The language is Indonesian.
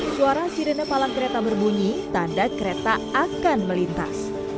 suara sirene palang kereta berbunyi tanda kereta akan melintas